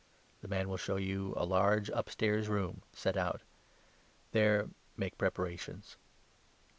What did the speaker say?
The man will 12 show you a large upstairs room, set out ; there make prepara tions."